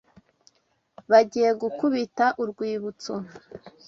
Bagiye gukubita urwibutso.